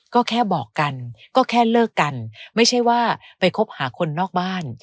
ก็แค่บอกกันก็แค่เลิกกันไม่ใช่ว่าไปคบหาคนนอกบ้าน